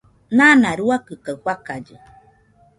Nana ruakɨ kaɨ fakallɨ